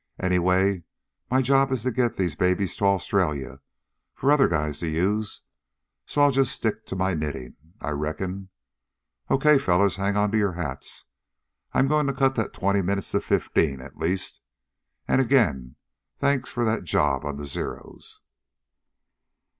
"Anyway, my job is to get these babies to Australia for other guys to use, so I'll just stick to my knitting, I reckon. Okay, fellows, hang onto your hats. I'm going to cut that twenty minutes to fifteen, at least. And again, thanks for that job on those Zeros."